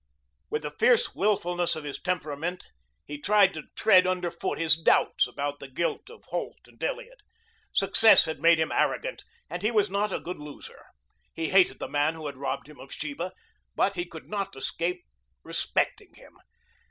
With the fierce willfulness of his temperament he tried to tread under foot his doubts about the guilt of Holt and Elliot. Success had made him arrogant and he was not a good loser. He hated the man who had robbed him of Sheba, but he could not escape respecting him.